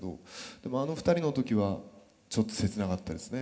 でもあの２人の時はちょっと切なかったですね。